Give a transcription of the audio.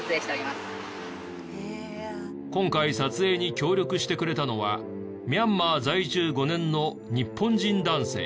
今回撮影に協力してくれたのはミャンマー在住５年の日本人男性。